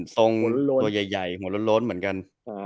ทรงตัวใหญ่หัวโล้นเหมือนกัน